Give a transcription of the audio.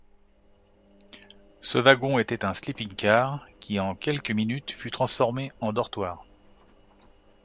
Ce wagon était un « sleeping-car », qui, en quelques minutes, fut transformé en dortoir.